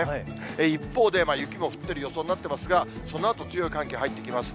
一方で、雪も降ってる予想になってますが、そのあと強い寒気入ってきます。